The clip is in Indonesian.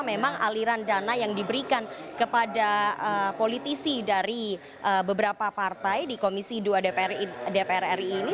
memang aliran dana yang diberikan kepada politisi dari beberapa partai di komisi dua dpr ri ini